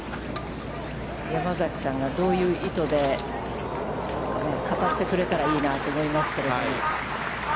山崎さんがどういう意図で、語ってくれたらいいなと思いますけれども。